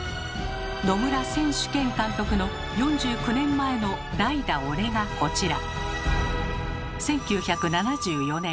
野村選手兼監督の４９年前の「代打、オレ」がこちら。